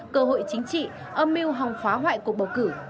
cơ hội chính trị âm mưu hòng phá hoại cuộc bầu cử